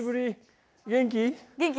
元気？